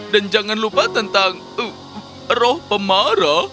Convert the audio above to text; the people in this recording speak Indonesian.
dan jangan lupa tentang roh pemarah